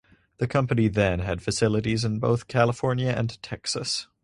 The company then had facilities in both California and Texas.